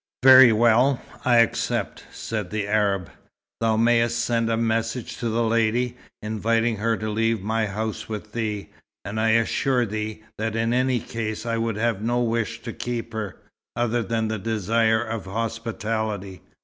"Very well, I accept," said the Arab. "Thou mayest send a message to the lady, inviting her to leave my house with thee; and I assure thee, that in any case I would have no wish to keep her, other than the desire of hospitality.